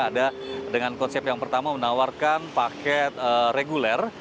ada dengan konsep yang pertama menawarkan paket reguler